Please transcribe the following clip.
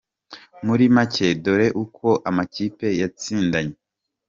Muri make dore uko amakipe yatsindanye; .